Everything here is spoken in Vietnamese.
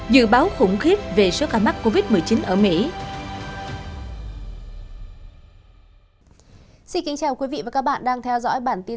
dự báo khủng khiếp về số ca mắc covid một mươi chín ở mỹ